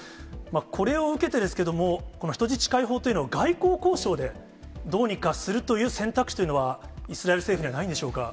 これを受けてですけれども、この人質解放というのを外交交渉でどうにかするという選択肢というのはイスラエル政府にはないんでしょうか。